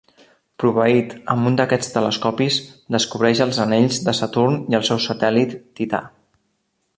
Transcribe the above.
Proveït amb un d'aquests telescopis, descobreix els anells de Saturn i el seu satèl·lit, Tità.